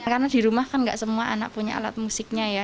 karena di rumah kan nggak semua anak punya alat musiknya ya